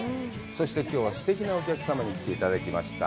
そしてきょうは、すてきなお客さんに来ていただきました。